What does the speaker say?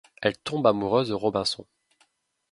Elle tombe amoureuse de Robinson.